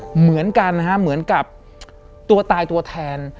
เหมือนกันนะฮะเหมือนกับตัวตายตัวแทน